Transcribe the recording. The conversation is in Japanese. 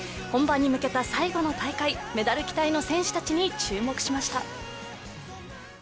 本番に向けた最後の大会メダル期待の選手たちに注目しました。